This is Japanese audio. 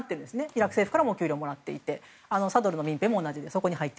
イラク政府からお給料ももらっててサドルの部隊も同じです。